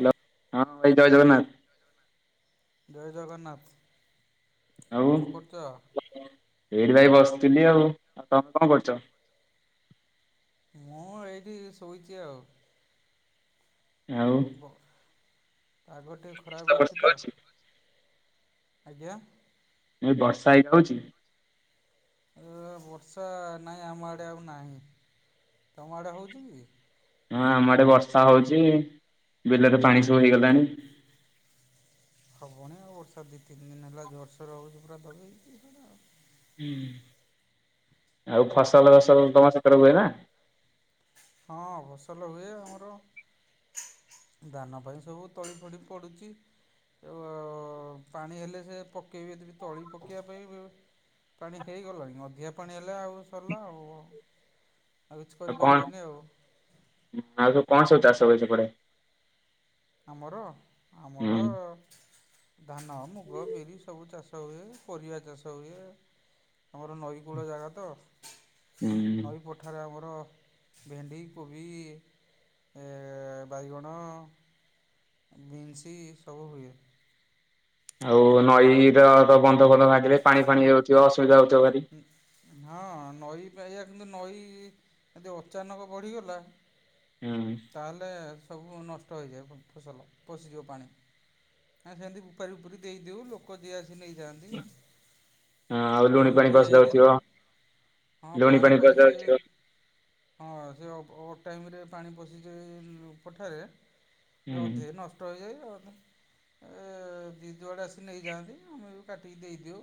Hello ହଁ ଭାଇ ଜୟ ଜଗନ୍ନାଥ। ଜୟ ଜଗନ୍ନାଥ ଆଉ କଣ କରୁଚ? ଏଇଠି ଭାଇ ବସିଥିଲି ଆଉ ଆଉ ତମେ କଣ କରୁଚ? ମୁଁ ଏଇଠି ଶୋଇଚି ଆଉ। ଆଉ ପାଗ ଟିକେ ଖରାପ ଅଛି ବର୍ଷା ତ ହଉଛି? ଆଜ୍ଞା। ମୁଁ କହିଲି ବର୍ଷା ହେଇଟି ହେଉଛି? ଏ ବର୍ଷା ନାହିଁ ଆମ ଆଡେ ଆଉ ନାହିଁ ତମ ଆଡେ ହଉଛି କି? ହଁ ଆମ ବର୍ଷା ହଉଚ ବିଲରେ ପାଣି ସବୁ ହେଇଗଲାଣି। ହବଣୀ ଆଉ ବର୍ଷା ଦିଇ ତିନି ଦିନି ହେଲା ଜୋରସୋର ହୋଉଚି ପୁରା ଦବେଇକି ସେଟା ଆଉ ହୁଁ ଆଉ ଫସଲ ସବୁ ତମ ସେକରେ ହୁଏ ନା। ହଁ ଫସଲ ହୁଏ ଆମର ଧାନ ପାଇଁ ସବୁ ତଳି ଫଳି ପଡୁଚି। ଯୋଉ ଆଉ ପାଣି ହେଲେ ସେ ପକେଇବେ ଯିବେ ତଳି ପକେଇବା ପାଇଁ ବି ପାଣି ହେଇଗଲାଣି ଅଧିକା ପାଣି ହେଲେ ଆଉ ସରିଲା ଆଉ ଆଉ ଆଉ କିଛି କରିପାରିବେନି ଆଉ ଆଉ କଣ ସବୁ ଚାଷ ହୁଏ ସେପଟେ। ଆମର ହୁଁ ଆମର ଧାନ ମୁଗ ବିରି ସବୁ ଚାଷ ହୁଏ। ପରିବା ଚାଷ ହୁଏ। ଆମର ନଈ କୂଳ ଜାଗା ତ ହୁଁ ନଈ ପଠାରେ ଆମର ଭେଣ୍ଡି କୋବି ଏଁ ବାଇଗଣ ବିନ୍ସି ସବୁ ହୁଏ। ଆଉ ନଈର ତ ବନ୍ଧ ଫନ୍ଦ ଭାଙ୍ଗିଲେ ପାଣି ଫାଣି ହେଉଥିବ ଅସୁବିଧା ହୋଉ ହଁ ନଈ ବାଇଆ କିନ୍ତୁ ନଈ ଯଦି ଅଚାନକ ବଢ଼ିଗଲା ହୁଁ ତାହାଲେ ସବୁ ନଷ୍ଟ ହୋଇଯାଏ। ଫ ଫସଲ ପଶିଯିବ ପାଣି ହ ସେମିତି ଉପପାରି ଉପପୁର ଦେଇଦଉ ଲୋକ ଯିଏ ଆସ ହଁ ଆଉ ଲୁଣି ପୋଇ ପାଣି ପଶି ଯାଉଥିବ ହେଇଥେଲେ ହଁ ଲୁଣି ପାଣି ପଶି ପସିଯିବେ ଯାଉଥିବ। ହଁ ସେ ଅବ ଅ ଟାଇମରେ ପାଣି ପଶିଯାଇ ପଠାରେ ସେ ହୁଁ ଅଧେ ନଷ୍ଟ ହୋଇଯାଏ ଅ ଏଁ ଜି ଜୁଆଡ଼େ ଆସି ନେଇଯାଆନ୍ତି ଆମେ ବି କାଟିକି ଦେଇଦେଉ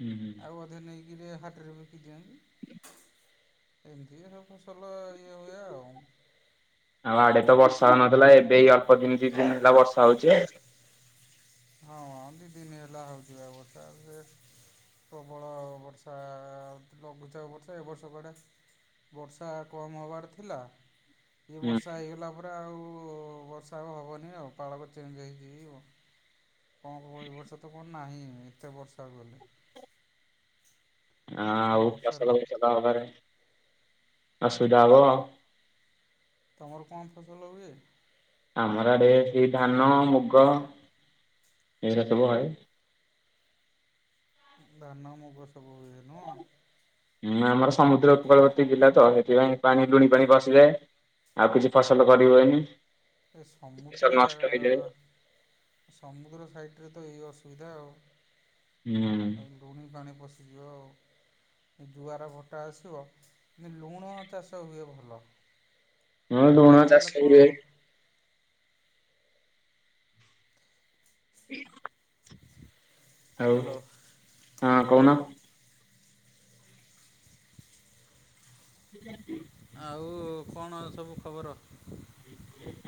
ହୁଁ ଆଉ ଅଧେ ନେଇକିରି ହାଟରେ ବିକି ଦିଅନ୍ତି। ଏମିତି ସବୁ ଫସଲ ଇଏ ହୁଏ ଆଉ। ଆଉ ଆଡେ ତ ବର୍ଷା ହୋଉନଥିଲା ଏବେ ଏଇ ଅଳ୍ପ ଦିନି ଦି ଦିନି ହେଲା ବର୍ଷା ହୋଉଚି। ହଁ ଦିଇ ଦିନି ହେଲା ହୋଉଚିବା ବର୍ଷା ସେ ପ୍ରବଳ ବର୍ଷା ଲଘୁଚାପ ବର୍ଷା ଏ ବର୍ଷ କୁଆଡେ ବର୍ଷା କମ ହବାର ଥିଲା ଇଏ ହୁଁ ବର୍ଷା ହେଇଗଲା ପରେ ରେ ଆଉ ବର୍ଷା ଆଉ ହବନି ଆଉ ପାଳକ ଚେଞ୍ଜ ହେଇଯିବ କଁ କହିବୁ ବର୍ଷା ତ କଣ ନାହିଁ ଏତେ ବର୍ଷା ଆଉ ଗଲେ। ନା ଆଉ ବର୍ଷାରେ ଫସଲ ଫସଲ ହବାରେ ଆସୁଧାବ ହବ। ତମର କଣ ଫସଲ ହୁଏ? ଆମର ଆଡେ ସେଇ ଧାନ ମୁଗ। ଏରା ସବୁ ହଏ। ଧାନ ମୁଗୁ ସବୁ ହୁଏ ନୁହଁ। ହୁଁ ଆମର ସମୁଦ୍ର ଉପକୂଳବର୍ତ୍ତୀ ଜିଲ୍ଲା ତ ସେଥିପାଇଁ ପାଣି ଲୁଣି ପାଣି ବର୍ଷୀଯାଏ ଆଉ କିଛି ଫସଲ କରିହୁଏନି। ଏ ସମୁଦ୍ର ଜାଗା ସମୁଦ୍ର ସାଇଟ୍ ରେ ତ ଏଇ ଅସ୍ ସୁବିଧା ଆଉ ହୁଁ ଆଉ ଲୁଣି ପାଣି ପଶିଯିବ ଆଉ। ଜୁଆର ଭଟା ଆସିବ କିନ୍ତୁ ଲୁଣ ଚାଷ ହୁଏ ଭଲ। ହଁ ଆଉ ଲୁଣ ଚାଷ ହେଲେ କଣ ବି ହବ ହୁଏ। [inaudible] ଆଉ ହ୍ୟାଲୋ ହଁ କୋହୁନ। ଆଉ କଣ ସବୁ ଖବର?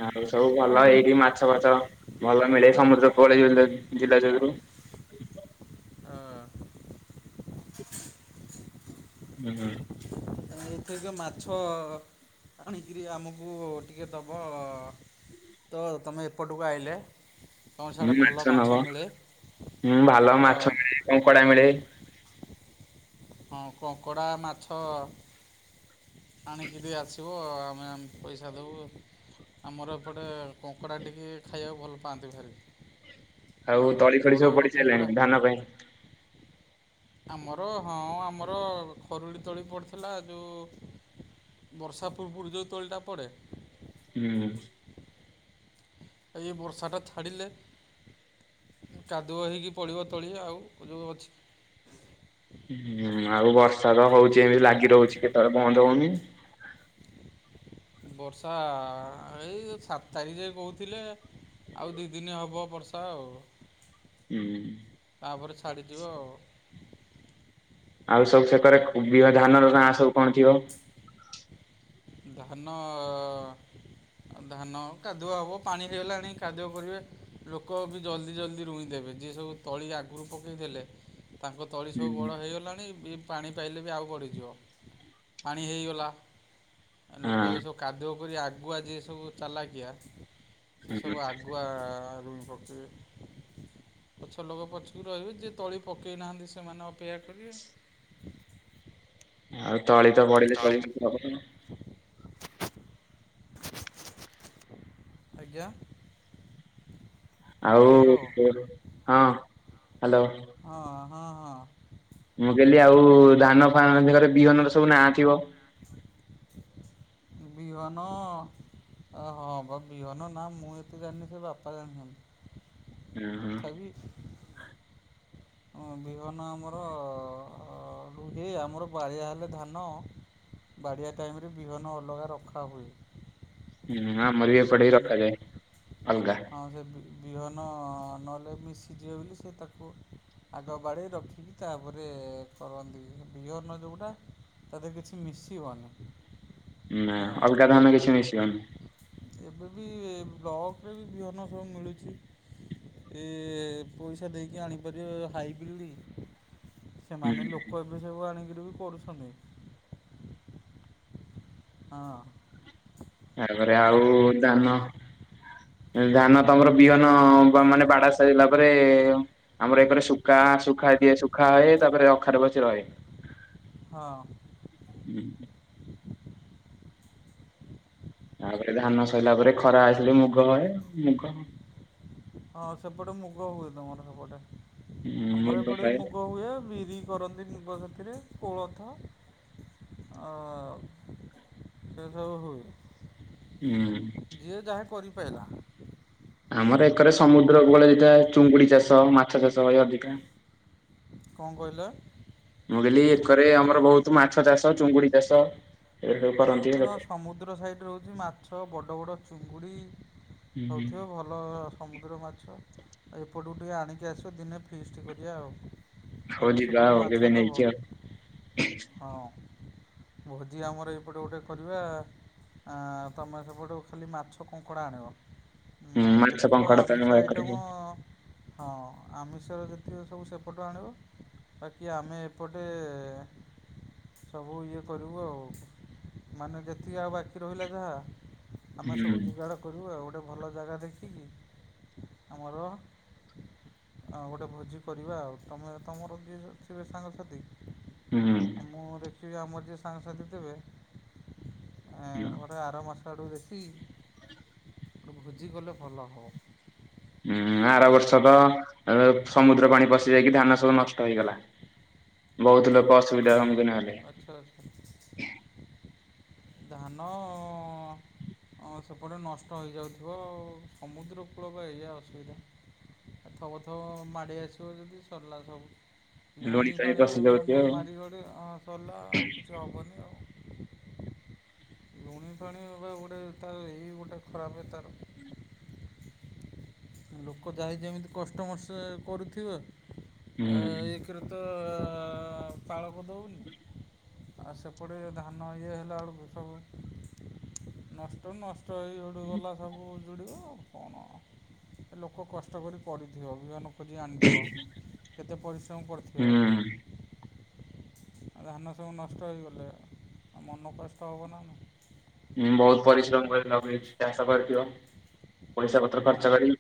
ଆଉ ସବୁ ଭଲ ଏଇଠି ମାଛ ଫାଛ ଭଲ ମିଳେ ସମୁଦ୍ର କୋଳେଇ ଜିଲ୍ଲା ଯୋଗୁରୁ। ଉଁହୁଁ। ତମେ ଏଇଥରିକ ମାଛ ଆଣିକରି ଆମକୁ ଟିକେ ଦେବ। ତ ତମେ ଏପଟକୁ ଆଇିଲେ। ହୁଁ ମାଛ ନବ ହୁଁ ଭଲ ହଁ ମାଛ ମିଳେ କଙ୍କଡା ମିଳେ। ହଁ କଙ୍କଡ଼ା ମାଛ ଆଣିକିରବି ଆସୁ କୁ ଆମେ ଆମ ପଇସା ଦବୁ ଆମର ଏପଟେ କଙ୍କଡ଼ା ଟିକେ ଖାଇବାକୁ ଭଲ ପାଆନ୍ତି ଭାରି। ହଁ ଆଉ ତଳି ଫଳି ବଡ଼ ସବୁ ବଡ଼ ପଡି କଙ୍କଡ଼ା ସାଇଲାଣି ଧାନ ପାଇଁ? ଆମର ହଁ ଆମର ଖରୁଡ଼ି ତଳି ପଡ଼ିଥିଲା ଯୋଉ ବର୍ଷା ପୂର୍ବରୁ ଯୋଉ ତଳିଟା ପଡ଼େ। ହୁଁ। ଏଇ ବର୍ଷାଟା ଛାଡ଼ିଲେ କାଦୁଅ ହେଇକି ପଡ଼ିବ ତଳି ଆଉ ଯୋଉ ଅଛି। ହୁଁ ଆଉ ବର୍ଷା ତ ହଉଚ଼ି ଏମିତି ଲାଗି ରହୁଚ଼ି କେତେବେଳେ ବନ୍ଦ ହଉନି। ବର୍ଷା ଏଇ ସାତ ତାରିଖ୍ ଯାଏ କହୁଥିଲେ। ଆଉ ଦି ଦିନି ହବ ବର୍ଷା ଆଉ। ହୁଁ ତାପରେ ଛାଡିଯିବ ଆଉ। ଆଉ ସବୁ ସେକରେ ବିଅ ଧାନର ନା ସବୁ କଣ ଥିବ? ଧାନ ଅ। ଆଉ ଧାନ କାଦୁଆ ହବ ପାଣି ହେଇଗଲାଣି କାଦୁଅ କରିବେ ଲୋକ ବି ଜଲଦି ଜଲଦି ରୁଇଁ ଦେବେ। ଜିଏ ସବୁ ତଳି ଆଗରୁ ପକାଇଥିଲେ। ତାଙ୍କ ତଳି ସବୁ ହୁଁ ବଡ଼ ହେଇଗଲାଣି ବି ପାଣି ପାଇଲେ ବି ଆଉ ବଢିଯିବ। ପାଣି ହେଇଗଲା ଲୋକ ଏବେ ହଁ ସବୁ କାଦୁଅ କରି ଆଗୁଆ ଯିଏ ସବୁ ଚାଲାକିଆ ସେ ହୁଁ ସବୁ ଆଗୁଆ ରୁଇ ବ ପଛ ଲୋକ ପଛକୁ ରହିବେ ଯିଏ ତଳି ପକେଇ ନାହାନ୍ତି ସେମାନେ ଅ ସେୟା କରିବେ। ଆଉ ତଳି ତ ଆଉ ପଡ଼ିଲେ ତଳି ସବୁ ତ ଜିନିଷ ହବନା ଆଜ୍ଞା। ଆଉ ହ୍ୟାଲୋ ହଁ ହାଲୋ। ହଁ ହଁ ହଁ। ମୁଁ କହଲି ଆଉ ଧାନ ଫାନର ବିହନର ସବୁ ନାଁ ଥିବ? ବିହନ। ଆ ହଁ ପା ବିହନ ନାଁ ମୁଁ ଏତେ ଜାଣିିନି ସେ ବାପା ହୁଁ ଜାଣିଛନ୍ତି। ହୁଁ ତଥାପି। ଆଁ ବିହନ ଆମର ରୁହେ ଆମର ବାଳିଆ ହେଲେ ଧାନ ବାଡ଼ିଆ ଟାଇମ୍ ରେ ବିହନ ଅଲଗା ରଖାହୁଏ। ହୁଁ ଆମରିବି ଏପଟରେ ବି ରଖା ଯାଏ ଅଲଗା। ହଁ ସେ ବି ବିହନ ନହେଲେ ମିଶିଯିବ ବୋଲି ସେ ତାକୁ ଆଗ ବାଡ଼େଇ ରଖିକି ତାପରେ କରନ୍ତି ବିହ ବିହନ ଯୋଉଟା। ତା ଧିଅରେ କିଛି ମିଶିବନି। ନା ହଁ ଅଲଗା ଧାନ କିଛି ମିଶିବନି। ଏବେ ବି ବ୍ଲକରେ ବି ବିହନ ସବୁ ମିଳୁଚ଼ି ଏ ପଇସା ଦେଇକି ଆଣି ଇଏ ହାଇବ୍ରିଡ଼ି ହୁଁ ସେମାନେ ଲୋକ ଏବେ ସବୁ ଆଣିକିରି ବି କରୁଛନ୍ତି। ହଁ। ଏଣୁ କରି ଆଉ ଦାନ। ଧାନ ତମର ବିହନ ବା ମାନେ ବାଡା ସାରିଲା ପରେ ଆମର ଏପରେ ଶୁକା ଶୁଖା ଦିଏ ଶୁଖା ହୁଏ ତାପରେ ଅଖାରେ ବସି ରହେ। ହଁ। ତାପରେ ଧାନ ସଇଲା ପରେ ଖରା ଆସିଲେ ମୁଗ ହଏ ମୁଗ। ହଁ ସେପଟେ ମୁଗ ହୁଏ ତମର ସେପଟେ ଆମର ମୁଗ ଏପଟେ ହଏ ବି ମୁଗ ହୁଏ ବିରି କରନ୍ତି ମୁଗ ସାଥିରେ କୋଳଥ। ଅ ସେସବୁ ହୁଏ। ହୁଁ। ପେଲା। ଆମର ଏକରେ ସମୁଦ୍ର କୁ ଗଲେ ହୋଇଥାଏ ଚୁଙ୍ଗୁଡି ଚାଷ ମାଛ ଚାଷ ଏ ଅଧିକା। କଣ କହିଲ? ମୁଁ କହିଲି ଏକରେ ଆମର ବହୁତ ମାଛ ଚାଷ ଚୁଙ୍ଗୁଡି ଚାଷ। ଏ ସବୁ ହଁ କରନ୍ତି ତମର ଲୋକ। ସମୁଦ୍ର ସାଇଡ୍ ରେ ରହୁଛି ମାଛ ବଡ ବଡ ଚୁଙ୍ଗୁଡି। ହୁଁ ହୋଉଥିବ ଭଲ ସମୁଦ୍ର ମାଛ। ଏପଟକୁ ଟିକେ ଆଣିକି ଆସିବ ଦିନେ ଫିଷ୍ଟ୍ କରିବା ଆଉ। ହଉ ତମେ ଯିବା ସେପଟୁ ଆଉ କେବେ ମାଛ ଦବ ନେଇକି ଆଉ ହଁ। ଭୋଜି ଆମର ଏପଟେ ଗୋଟେ କରିବା ଆଁ ତମେ ସେପଟୁ ଖାଲି ମାଛ କଙ୍କଡ଼ା ଆଣିବ। ହୁଁ ନା ମାଛ ଯେତିକ କଙ୍କଡା ତ ଆମିଷ ଆମ ଏକରେ ଆଇଟମ ହୁଁ ହଁ ଆମିଷର ଯେତିକି ସବୁ ସେପଟୁ ଆଣିବ। ବାକି ଆମେ ଏପଟେ ସବୁ ଇଏ କରିବୁ ଆଉ। ମାନେ ଯେତିକି ଆଉ ବାକି ରହିଲା ଯାହା ଆମେ ସବୁ ଯୋଗାଡ଼ କରିବୁ ଆଉ ଗୋଟେ ଭଲ ଜାଗା ଦେଖିକି ଆମର ହଁ ଗୋଟେ ଭୋଜି କରିବା ଆଉ ତମେ ତମର ଯିଏ ଥିବେ ସାଙ୍ଗସାଥି। ଆଉ ମୁଁ ଦେଖିବି ଆମର ଯିଏ ସାଙ୍ଗସାଥି ଥିବେ ଏଁ ହୁଁ। ପରେ ଆର ମାସ ଆଡ଼କୁ ଦେଖିକି ଏକ ଭୋଜିକଲେ ଭଲ ହବ। ହୁଁ ଆର ବର୍ଷ ତ ସମୁଦ୍ର ପାଣି ପଶି ଯାଇକି ଧାନ ସବୁ ନଷ୍ଟ ହେଇଗଲା। ବହୁତ୍ ଲୋକ ଅସୁବିଧା ସମ୍ମୁଖୀନ ହେଲେ। ଆଚ୍ଛା ଆଚ୍ଛା ଧାନ ଅଁ ସେପଟେ ନଷ୍ଟ ହୋଇଯାଉଥିବ ସମୁଦ୍ରକୂଳ ବା ଏଇଆ ଅସୁବିଧା। ଥବ ଥବ ମାଡି ଆସିବ ଯଦି ସରିଲା ସବୁ। ଲୁଣି ପାଣି ପଶି ଯାଉଚି ଆଉ। ଦିଘଡ଼ି ଅଁ ସରିଲା ଆଉ କିଛି ହବନି ଆଉ। ଲୁଣି ପାଣି ଏବେ ଗୋଟେ ତାର ଏଇ ଗୋଟେ ଖରାପ ତାର। ଲୋକ ଯାହା ଯେମିତି କଷ୍ଟମଷ୍ଟେ କରୁଥିବେ ହୁଁ। ଏକରେ ତ ଅ ଆଉ ପାଳକୁ ଦଉନି ଆଉ ସେପଟେ ଧାନ ଇଏ ହେଲାବେଳକୁ ସବୁ ନଷ୍ଟ ନଷ୍ଟ ହେଇ ଆଡୁଗଲା ସବୁ ଉଯୁଡ଼ିବ କଣ? ଲୋକ କଷ୍ଟ କରି ପଡିଥିବ ବିହନ। ଖୋଜି ଆଣିଥିବ କେତେ ପରିଶ୍ରମ କରିଥିବ? ହୁଁ ଆଉ ଧାନ ସବୁ ନଷ୍ଟ ହେଇଗଲେ ଆଉ ମନ କଷ୍ଟ ହବ ନା ନାହିଁ? ହୁଁ ବହୁତ ପରିଶ୍ରମ କରି ଲଗେଇଛି ଚାଷ କରିଥିବ ପଇସା ପତ୍ର ହଁ ଖର୍ଚ୍ଚ ମ, କରି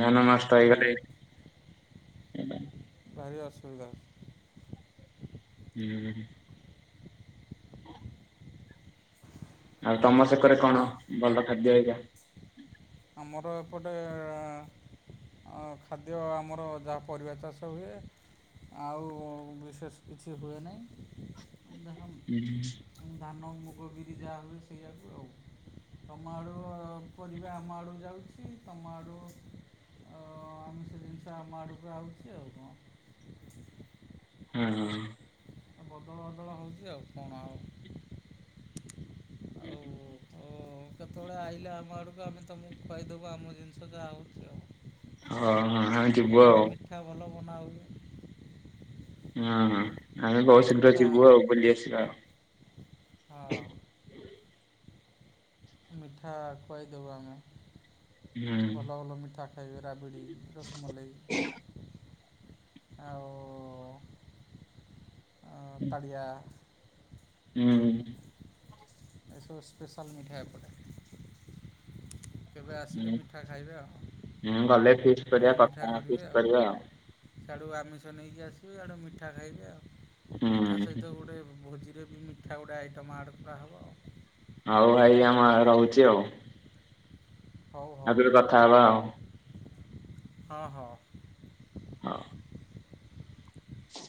ଧାନ ନଷ୍ଟ ସେଇଆ ହେଇଗଲେ ଭାରି ଅସୁବିଧା। ହୁଁ। ଆଉ ତମ ସେକଡେ କଣ ଭଲ ଖାଦ୍ୟ ଏଇରା? ଆମର ଏପଟେ ଆଉ ଖାଦ୍ୟ ଆମର ଯାହା ପରିବା ଚାଷ ହୁଏ। ଆଉ ବିଶେଷ କିଛି ହୁଏ ନାହିଁ। ଏ ଯାହା ଧାନ ମୁଗ, ବିିରି ଯାହା ହୁଏ ସେଇଆାକୁ ଆଉ ତମ ଆଡୁ ପରିବା ଆମ ଆଡୁ ଯାଉଛି ତମ ଆଡୁ ଆଉ ଆମେ ସେ ଜିନିଷ ଆମ ଆଡ଼କୁ ଆଉଚି ଆଉ କଣ? ହୁଁ ହୁଁ। ବଦଳ ବଦଳ ହଉଛି ଆଉ କଣ ଆଉ? [inaudible] ହଉ କେତେବେଳେ ଆଇଲେ ଆମ ଆଡ଼କୁ ଆମେ ତମକୁ ଖୁଆଇଦେବୁ ଆମ ଜିନିଷ ଯାହା ହଉଛି ଆଉ ଓ ହଁ ଆମେ ଯିବୁ ଆଉ। ମନାଉ ହଁ ଆମେ ବସରେ ତ ଯିବୁ ବୁଲି ଆସିବା। ହଁ। ମିଠା ଖୁଆଇଦୋବୁ ଆମେ। ହୁଁ ଭଲ ଭଲ ମିଠା ଖାଇବେ ରାବିଡ଼ି ରସମଲେଇ ଆଉ ଆ ପାଳିଆ ହୁଁ। ଏସବୁ ସ୍ପେଶାଲ ମିଠା ଏପଟେ। କେବେ ଆସିଲେ ହଁ ମିଠା ଖାଇବେ ଆଉ ହଁ ଗଲେ ଫିକ୍ସ ମୁଁ କରିବା ମିଠା କଥା କରିବେ ଫିକ୍ସ କରିବା ଆଉ। ସିଆଡ଼ୁ ଆମିଷ ନେଇକି ଆସିବେ ଇଆଡ଼ୁ ମିଠା ଖାଇବେ ଆଉ ମିଠା ହୁଁ ସହିତ ଗୋଟେ ଭୋଜି ଯେ ବି ମିଠା ଗୁଡ଼ାଏ ଆଇଟମ୍ ଆର୍ଡ଼ କରାହବ। ହଉ ଭାଇ ଆମ ଏ ରହୁଛି ଆଉ। ହଉ ହଉ ଆପରେ କଥା ହବା ଆଉ। ହଁ ହଁ। ହଁ।